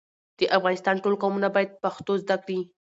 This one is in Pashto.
د افغانستان ټول قومونه بايد پښتو زده کړي.